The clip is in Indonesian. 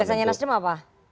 gagasannya nasdem apa